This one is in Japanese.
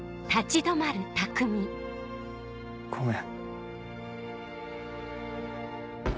ごめん。